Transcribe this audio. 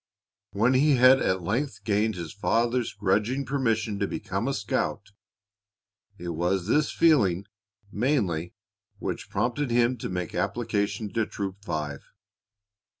When he had at length gained his father's grudging permission to become a scout, it was this feeling mainly which prompted him to make application to Troop Five.